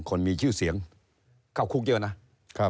คนมีชื่อเสียงเข้าคุกเยอะนะ